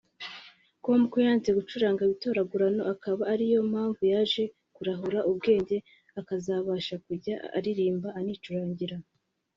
com ko yanze gucuranga ibitoragurano akaba ariyo mpamvu yaje kurahura ubwenge akazabasha kujya aririmba anicurangira